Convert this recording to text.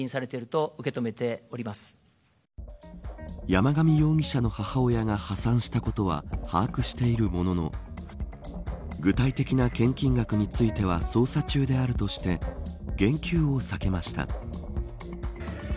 山上容疑者の母親が破産したことは把握しているものの具体的な献金額については捜査中であるとして言及を避けました。